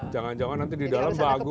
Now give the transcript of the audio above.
jangan jangan nanti di dalam bagus gitu ya